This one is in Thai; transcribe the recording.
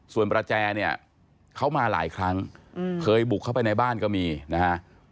ส่วนประแจเนี่ยเขามาหลายครั้งเคยบุกเข้าไปในบ้านก็มีนะฮะ